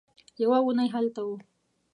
يوه اوونۍ هلته وه.